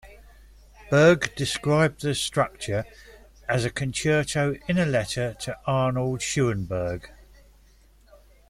Berg described the structure of the concerto in a letter to Arnold Schoenberg.